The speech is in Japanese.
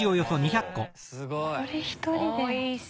すごい！これ１人で。